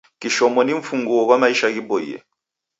Kishomo ni mfunguo ghwa maisha ghiboie.